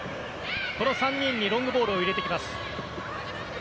この３人にロングボールを入れてきます。